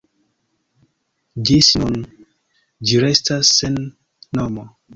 Ĝis nun, ĝi restas sen nomo.